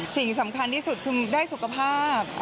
สิ่งสำคัญที่สุดคือได้สุขภาพ